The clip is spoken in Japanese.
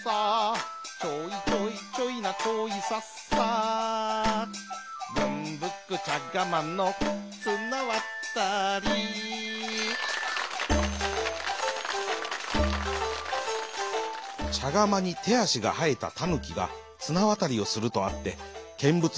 「チョイチョイチョイナチョイサッサ」「ぶんぶくちゃがまのつなわたり」ちゃがまにてあしがはえたたぬきがつなわたりをするとあってけんぶつ